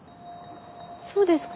そうですか。